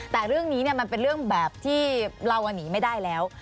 แต่เรื่องนี้มันเป็นเรื่องแบบที่เราหนีไม่ได้แล้ว